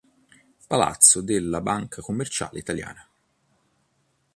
Palazzo della Banca Commerciale Italiana